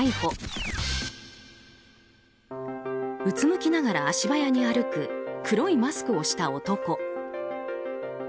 うつむきながら足早に歩く黒いマスクをした男。